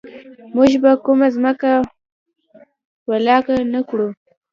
موږ به کومه ځمکه ولکه نه کړو.